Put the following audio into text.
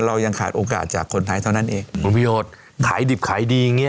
เรายังขาดโอกาสจากคนไทยเท่านั้นเองผลประโยชน์ขายดิบขายดีอย่างเงี้